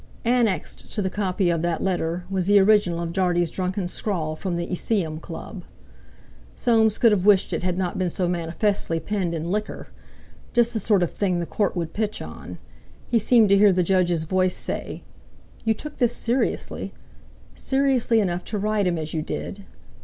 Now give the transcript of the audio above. Annexed to the copy of that letter was the original of Dartie's drunken scrawl from the Iseeum Club. Soames could have wished it had not been so manifestly penned in liquor. Just the sort of thing the Court would pitch on. He seemed to hear the Judge's voice say: "You took this seriously! Seriously enough to write him as you did?